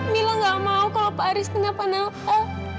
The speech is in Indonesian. mila gak mau kalau pak haris kenapa napa